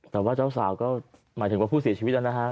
แต่ว่าเจ้าสาวก็หมายถึงว่าผู้เสียชีวิตนะฮะ